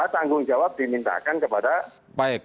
tanggung jawab dimintakan kepada baik